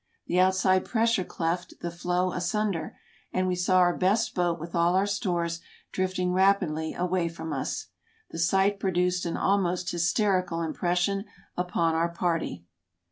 The outside pressure cleft the floe asunder, and we saw our best boat with all our stores drifting rapidly away from us. The sight produced an almost hysterical impression upon our party.